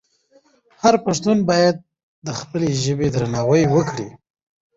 هر پښتون باید د خپلې ژبې درناوی وکړي.